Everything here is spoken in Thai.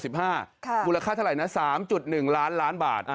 บูรคค่าเท่าไหร่๓๑๑ล้านบาท